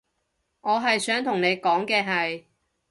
我係想同你講嘅係